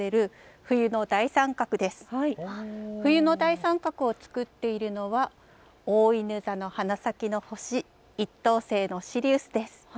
冬の大三角を作っているのはおおいぬ座の１等星のシリウスです。